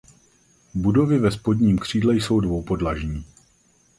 Budovy ve spodním křídle jsou dvoupodlažní.